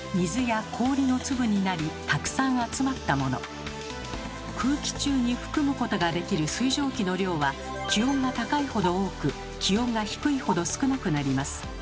秋は空気中に含むことができる水蒸気の量は気温が高いほど多く気温が低いほど少なくなります。